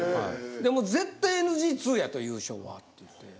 もう絶対ＮＧⅡやと優勝はっていって。